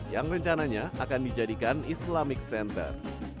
yang rencananya akan dijadikan islamic center